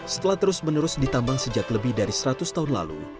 setelah terus menerus ditambang sejak lebih dari seratus tahun lalu